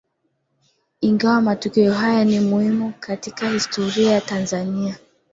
Ingawa matukio haya ni muhimu katika historia ya Tanzania